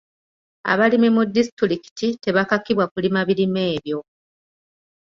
Abalimi mu disitulikiti tebakakibwa kulima birime ebyo.